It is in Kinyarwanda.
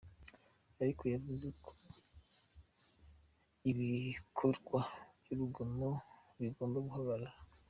Ariko yavuze ko ibikobwa by'urugomo bigomba guhagarara.